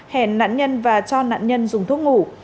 hẹn nạn nhân và cho nạn nhân dùng thuốc ngủ